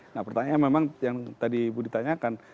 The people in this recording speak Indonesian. nah pertanyaan memang yang tadi bu ditanyakan